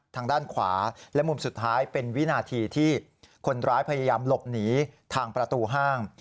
ทางด้านขวาและมุมสุดท้ายเป็นวินาทีที่คนร้ายพยายามหลบหนีทางประตูห้าง